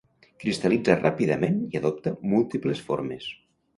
Cristal·litza ràpidament i adopta múltiples formes.